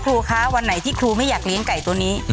ครูคะวันไหนที่ครูไม่อยากเลี้ยงไก่ตัวนี้